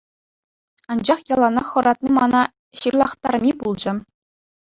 Анчах яланах хӑратни мана ҫырлахтарми пулчӗ.